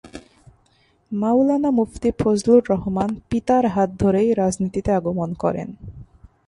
মাওলানা মুফতী ফজলুর রহমান পিতার হাত ধরেই রাজনীতিতে আগমন করেন।